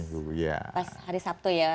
pas hari sabtu ya